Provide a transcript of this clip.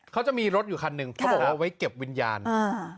เขาจะมีรถอยู่คันหนึ่งเขาบอกว่าไว้เก็บวิญญาณอ่า